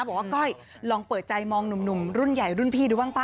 บอกว่าก้อยลองเปิดใจมองรุ่นใหญ่รุ่นพี่ดูบ้างป่ะ